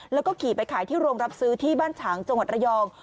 แล้วก็ขี่ไปขายที่โรงรับซื้อที่บ้านฉางจังหวัดระยอง